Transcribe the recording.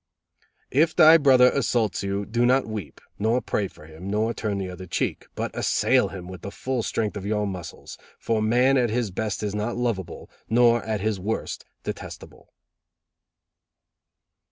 "If thy brother assaults you, do not weep, nor pray for him, nor turn the other cheek, but assail him with the full strength of your muscles, for man at his best is not lovable, nor at his worst, detestable."